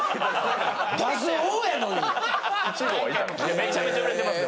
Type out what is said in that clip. めちゃめちゃ売れてますよ。